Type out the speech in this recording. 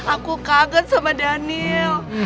aku kaget sama daniel